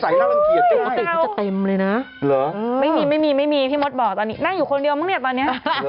อาจจะเป็นนิสัยน่ารังเกียจได้ไม่มีพี่มดบอกตอนนี้นั่งอยู่คนเดียวมั้งเนี่ยตอนนี้